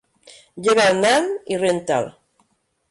Lleva el nen i renta'l.